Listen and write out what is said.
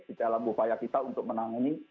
di dalam upaya kita untuk menangani